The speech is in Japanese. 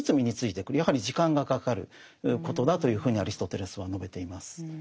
やはり時間がかかることだというふうにアリストテレスは述べています。